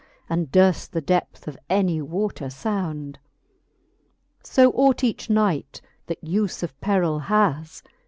And durft the depth of any water fownd. So ought each knight, that ufe of perill has.